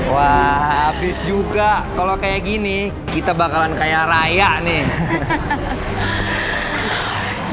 wah habis juga kalau kayak gini kita bakalan kaya raya nih